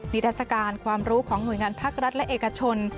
ทรัศกาลความรู้ของหน่วยงานภาครัฐและเอกชน